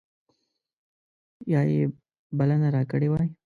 یا یې بلنه راکړې وای.